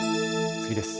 次です。